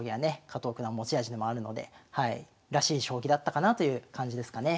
加藤九段持ち味でもあるのでらしい将棋だったかなという感じですかね。